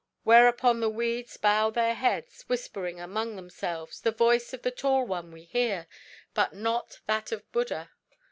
"Whereupon the weeds bow their heads, whispering among themselves, 'The voice of the Tall One we hear, but not that of Buddha.